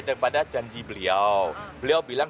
daripada janji beliau beliau bilang